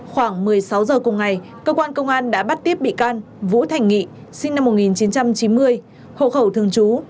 khoảng một mươi sáu h cùng ngày công an đã bắt tiếp bị can vũ thành nghị sinh năm một nghìn chín trăm chín mươi hộ khẩu thương chú